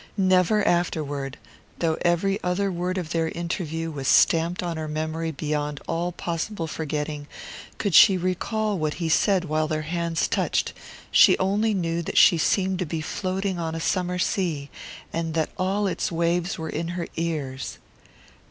Never afterward, though every other word of their interview was stamped on her memory beyond all possible forgetting, could she recall what he said while their hands touched; she only knew that she seemed to be floating on a summer sea, and that all its waves were in her ears.